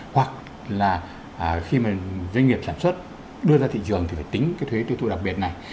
hoặc là khi mà doanh nghiệp sản xuất đưa ra thị trường thì phải tính cái thuế tiêu thụ đặc biệt này